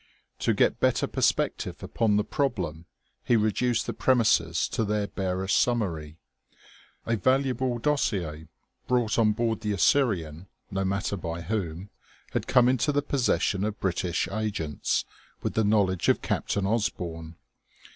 To get better perspective upon the problem, he reduced the premises to their barest summary: A valuable dossier brought on board the Assyrian (no matter by whom) had come into the possession of British agents, with the knowledge of Captain Osborne.